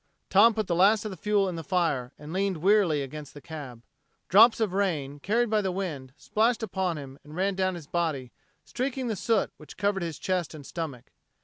Tom put the last of the fuel in the fire, and leaned wearily against the cab. Drops of rain, carried by the wind, splashed upon him and ran down his body, streaking the soot which covered his chest and stomach.